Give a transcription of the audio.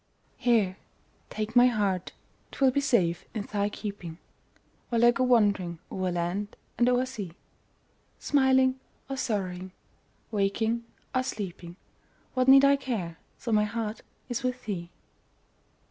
Here, take my heart 'twill be safe in thy keeping, While I go wandering o'er land and o'er sea; Smiling or sorrowing, waking or sleeping, What need I care, so my heart is with thee?